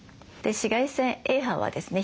紫外線Ａ波はですね